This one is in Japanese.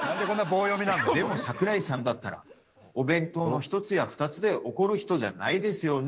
でも、櫻井さんだったら、お弁当の１つや２つで怒る人じゃないですよね。